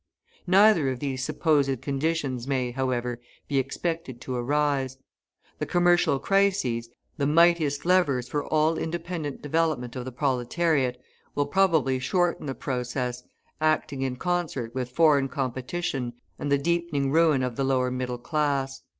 Neither of these supposed conditions may, however, be expected to arise. The commercial crises, the mightiest levers for all independent development of the proletariat, will probably shorten the process, acting in concert with foreign competition and the deepening ruin of the lower middle class.